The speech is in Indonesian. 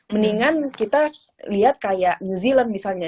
mendingan kita lihat kayak new zealand misalnya